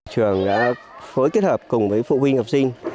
trường đã phối kết hợp cùng với phụ huynh học sinh